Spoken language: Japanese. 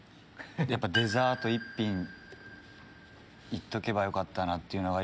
やっぱデザート１品行っとけばよかったなっていう。